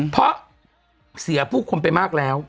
เพราะเสียผู้คนไปมากแล้ว